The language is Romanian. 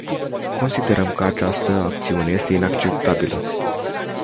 Considerăm că această acțiune este inacceptabilă!